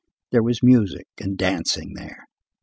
There was music and dancing there.